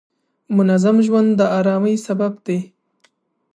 منظم ژوند د آرامۍ سبب دی.